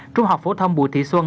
trung học phổ thông bùi thị xuân